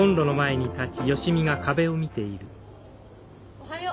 おはよう。